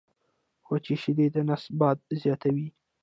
وچي شیدې د نس باد زیاتوي.